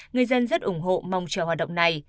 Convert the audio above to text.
người dân rất ủng hộ mong chờ hoạt động này